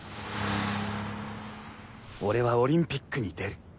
俺はオリンピックに出る。